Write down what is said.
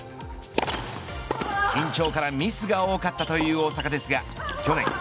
緊張からミスが多かったという大坂ですが去年。